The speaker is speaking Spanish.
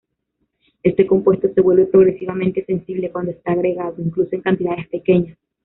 Este compuesto se vuelve progresivamente sensible cuando está agregado, incluso en cantidades pequeñas.